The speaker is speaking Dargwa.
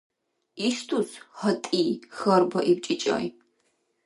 — Ишдус, гьатӀи? — хьарбаиб чӀичӀай.